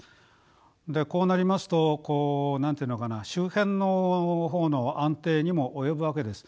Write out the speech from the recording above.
こうなりますと何て言うのかな周辺の方の安定にも及ぶわけです。